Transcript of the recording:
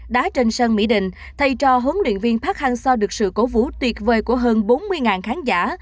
đá trên sân mỹ định thầy trò huấn luyện viên park hang seo được sự cố vũ tuyệt vời của hơn bốn mươi khán giả